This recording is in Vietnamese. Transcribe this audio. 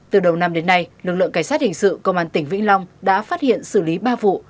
từ đầu năm đến nay lực lượng cảnh sát hình sự công an tỉnh vĩnh long đã phát hiện xử lý ba vụ